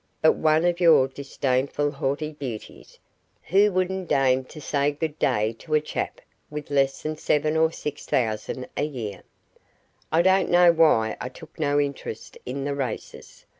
"But one of your disdainful haughty beauties, who wouldn't deign to say good day to a chap with less than six or seven thousand a year." I don't know why I took no interest in the races.